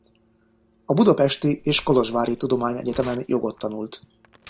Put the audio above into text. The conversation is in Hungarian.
A budapesti és kolozsvári tudományegyetemen jogot tanult.